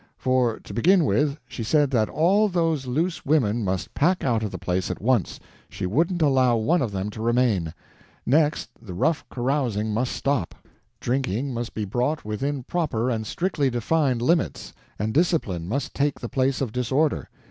For, to begin with, she said that all those loose women must pack out of the place at once, she wouldn't allow one of them to remain. Next, the rough carousing must stop, drinking must be brought within proper and strictly defined limits, and discipline must take the place of disorder.